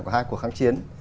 của hai cuộc kháng chiến